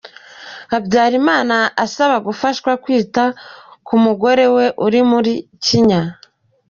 Habyarimana asaba gufashwa kwita ku mugore we uri mu kinya.